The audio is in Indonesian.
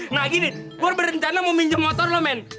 nah gini gue berencana mau minjem motor lo men